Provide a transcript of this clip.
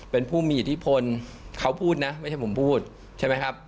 เป็นผู้มีอิทธิพลเขาพูดนะไม่ใช่ผมพูดใช่ไหมครับ